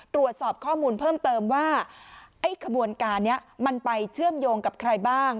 ตรวจสอบข้อมูลเพิ่มเติมว่าไอ้ขบวนการนี้มันไปเชื่อมโยงกับใครบ้าง